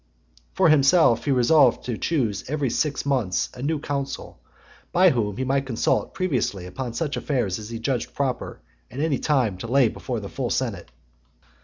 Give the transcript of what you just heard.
For himself, he resolved to choose every six (100) months a new council, with whom he might consult previously upon such affairs as he judged proper at any time to lay before the full senate.